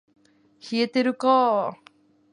冷えてるか～